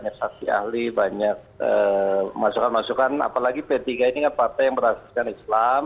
kita akan lihat secara mendalam